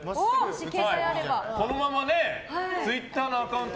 このままツイッターのアカウント